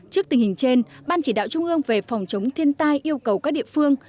trước tình hình trên ban chỉ đạo trung ương về phòng chống thiên tai yêu cầu các địa phương